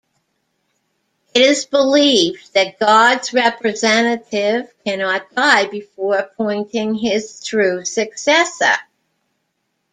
It is believed that God's representative cannot die before appointing his true successor.